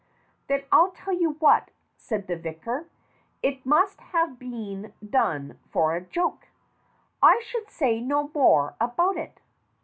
"Then I'll tell you what," said the vicar. "It must have been done for a joke. I should say no more about it."